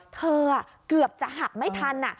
เธอเกือบจะหับไม่ทัน